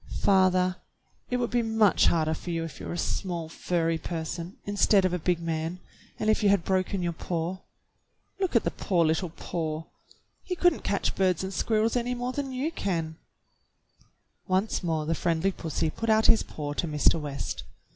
*' Father, it would be much harder for you if you were a small furry person, instead of a big man, and if you had broken your paw. Look at the poor little paw. He could n't catch birds and squirrels any more than you can." Once more the friendly pussy put out his paw to Mr. West.